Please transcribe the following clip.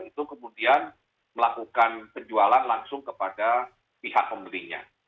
itu kemudian melakukan penjualan langsung kepada pihak pembelinya